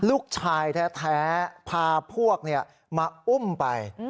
ลูกชายแท้พาพวกมาอุ้มไป